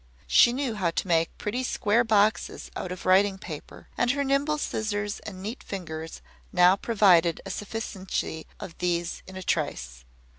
She knew how to make pretty square boxes out of writing paper; and her nimble scissors and neat fingers now provided a sufficiency of these in a trice.